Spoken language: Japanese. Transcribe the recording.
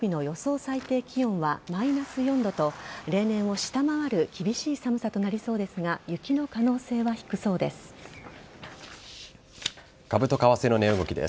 最低気温はマイナス４度と例年を下回る厳しい寒さとなりそうですが株と為替の値動きです。